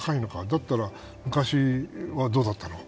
だったら昔はどうだったのか。